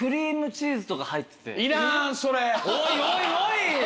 おいおいおい！